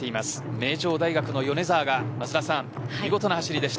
名城大学の米澤が見事な走りでした。